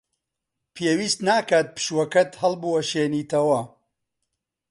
پێویست ناکات پشووەکەت هەڵبوەشێنیتەوە.